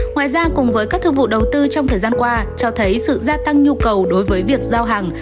ngoài ra cùng với các thương vụ đầu tư trong thời gian qua cho thấy sự gia tăng nhu cầu đối với việc giao hàng